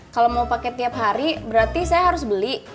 kalau mau pakai tiap hari berarti saya harus beli